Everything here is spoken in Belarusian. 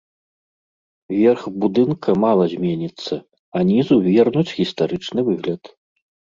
Верх будынка мала зменіцца, а нізу вернуць гістарычны выгляд.